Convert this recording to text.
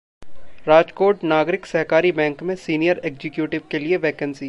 राजकोट नागरिक सहकारी बैंक में सीनियर एग्जीक्यूटिव के लिए वैकेंसी